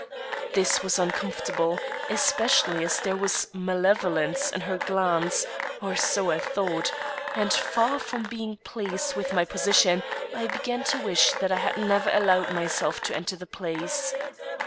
This was uncomfortable, especially as there was malevolence in her glance, or so I thought, and, far from being pleased with my position, I began to wish that I had never allowed myself to enter the place.